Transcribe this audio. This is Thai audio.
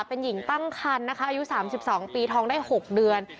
เป็นหญิงตั้งคันนะคะอายุ๓๒ปีทองได้๖เดือน